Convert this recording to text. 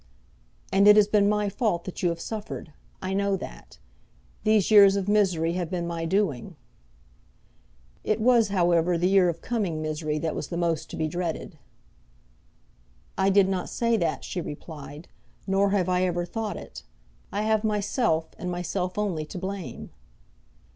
"And it has been my fault that you have suffered; I know that. These years of misery have been my doing." It was, however, the year of coming misery that was the most to be dreaded. "I do not say that," she replied, "nor have I ever thought it. I have myself and myself only to blame."